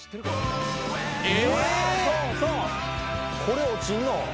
これ落ちんの！？